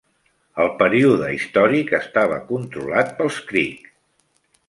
Al període històric, estava controlat pels creek.